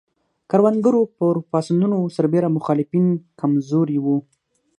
کروندګرو پر پاڅونونو سربېره مخالفین کم زوري وو.